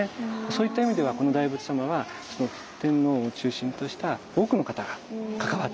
そういった意味ではこの大仏様は天皇を中心とした多くの方が関わってつくった仏像。